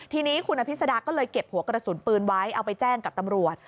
ทีนี้คุณอภิษดาก็เลยเก็บหัวกระสุนปืนไว้เอาไปแจ้งกับตำรวจ